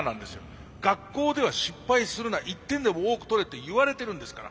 学校では「失敗するな１点でも多く取れ」って言われてるんですから。